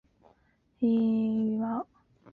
尤伯杯的成员国团队参与的国际羽毛球赛事。